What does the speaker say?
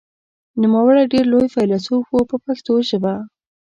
نوموړی ډېر لوی فیلسوف و په پښتو ژبه.